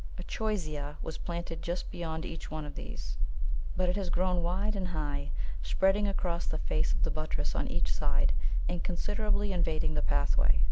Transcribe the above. A Choisya was planted just beyond each of these, but it has grown wide and high, spreading across the face of the buttress on each side, and considerably invading the pathway.